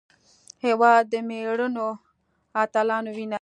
هېواد د مېړنیو اتلانو وینه ده.